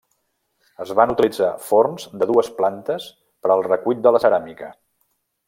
Es van utilitzar forns de dues plantes per al recuit de la ceràmica.